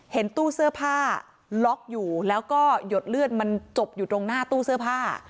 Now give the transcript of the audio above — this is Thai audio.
ตู้เสื้อผ้าล็อกอยู่แล้วก็หยดเลือดมันจบอยู่ตรงหน้าตู้เสื้อผ้า